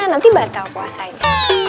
nanti batal puasanya